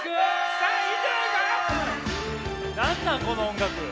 この音楽。